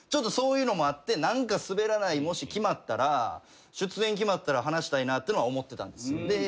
そういうのもあって何か『すべらない』もし決まったら出演決まったら話したいなってのは思ってたんです。